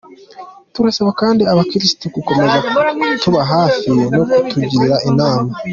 Turasaba kandi abakirisitu gukomeza kutuba hafi no kutugira inama ».